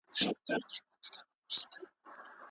تاسي ولي د پښتو په معيار کي شک کړی دی؟